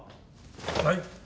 はい。